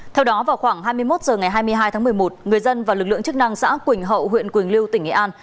theo đó vào khoảng hai mươi một h ngày hai mươi hai tháng một mươi một người dân và lực lượng chức năng xã quỳnh hậu huyện quỳnh lưu tỉnh nghệ an